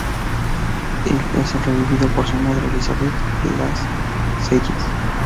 El es revivido por su madre, Elizabeth Lascelles.